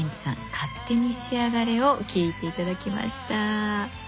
「勝手にしやがれ」を聴いて頂きました。